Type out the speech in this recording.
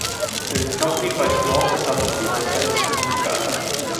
It is accompanied by small percussions or a second pungi.